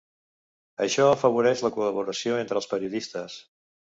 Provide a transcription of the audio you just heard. Això afavoreix la col·laboració entre els periodistes.